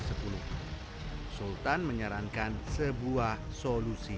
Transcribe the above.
sultan menyarankan sebuah solusi